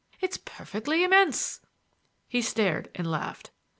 It's perfectly immense." He stared and laughed.